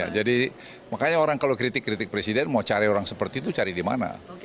jadi makanya orang kalau kritik kritik presiden mau cari orang seperti itu cari di mana